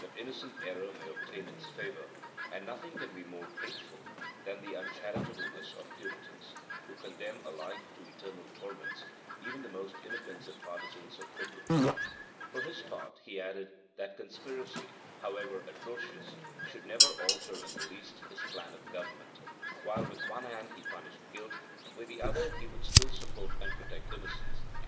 The wrath of Heaven is denounced against crimes, but innocent error may obtain its favor; and nothing can be more hateful than the uncharitableness of the Puritans, who condemn alike to eternal torments even the most inoffensive partisans of Popery. For his part, he added, that conspiracy, however atrocious, should never alter in the least his plan of government: while with one hand he punished guilt, with the other he would still support and protect innocence.